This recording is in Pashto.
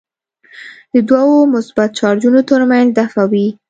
د دوو مثبت چارجونو ترمنځ دفعه وي.